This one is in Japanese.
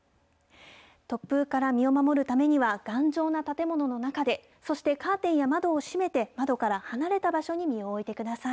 突風から身を守るためには、頑丈な建物の中で、そしてカーテンや窓を閉めて、窓から離れた場所に身を置いてください。